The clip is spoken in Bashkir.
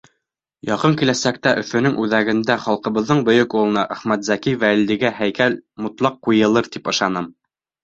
Яҡын киләсәктә Өфөнөң үҙәгендә халҡыбыҙҙың бөйөк улына — Әхмәтзәки Вәлидигә — һәйкәл мотлаҡ ҡуйылыр, тип ышанам.